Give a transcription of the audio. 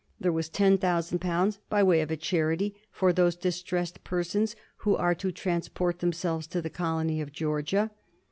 There was £10,000 by way of a charity ''for those distressed persons who are to transport themselves to the colony of Georgia."